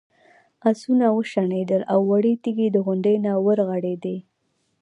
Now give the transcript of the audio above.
آسونه وشڼېدل او وړې تیږې د غونډۍ نه ورغړېدې.